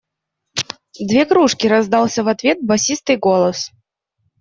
Две кружки! – раздался в ответ басистый голос.